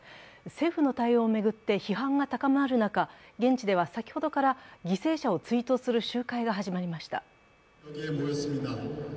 政府の対応を巡って、批判が高まる中、現地では先ほどから犠牲者を追悼する集会が始まりました。